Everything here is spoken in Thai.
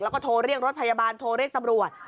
แล้วก็โทรเรียกรถพยาบาลโทรเรียกตำรวจ